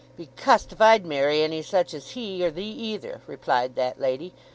"Be cust if I'd marry any such as he, or thee either," replied that lady.